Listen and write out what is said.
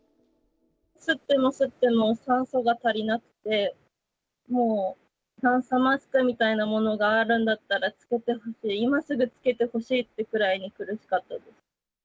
吸っても吸っても酸素が足りなくて、もう酸素マスクみたいなものがあるんだったら、今すぐ着けてほしいっていうぐらいに苦しかったです。